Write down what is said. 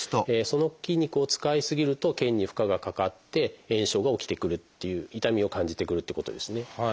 その筋肉を使い過ぎると腱に負荷がかかって炎症が起きてくるっていう痛みを感じてくるってことですね。